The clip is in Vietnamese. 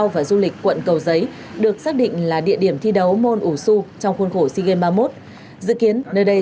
và đuối nước như thế này